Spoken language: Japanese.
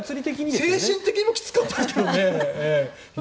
精神的にもきつかったですけどね。